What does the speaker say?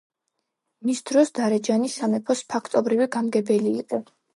მის დროს დარეჯანი სამეფოს ფაქტობრივი გამგებელი იყო.